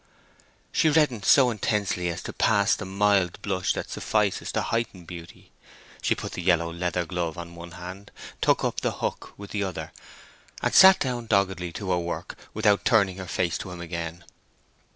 She reddened so intensely as to pass the mild blush that suffices to heighten beauty; she put the yellow leather glove on one hand, took up the hook with the other, and sat down doggedly to her work without turning her face to him again.